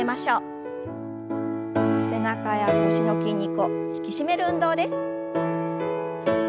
背中や腰の筋肉を引き締める運動です。